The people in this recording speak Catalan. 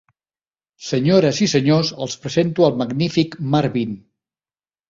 Senyores i senyors, els presento al magnífic Marvin.